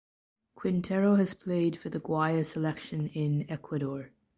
Quintero has played for the Guayas selection in Ecuador.